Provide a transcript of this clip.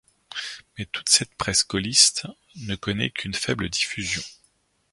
Mais toute cette presse gaulliste ne connaît qu'une faible diffusion.